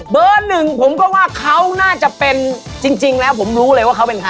หนึ่งผมก็ว่าเขาน่าจะเป็นจริงแล้วผมรู้เลยว่าเขาเป็นใคร